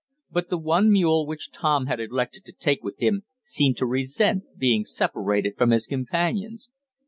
But the one mule which Tom had elected to take with him seemed to resent being separated from his companions.